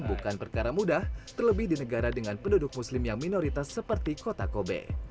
bukan perkara mudah terlebih di negara dengan penduduk muslim yang minoritas seperti kota kobe